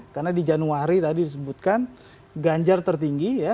karena di januari tadi disebutkan ganjar tertinggi ya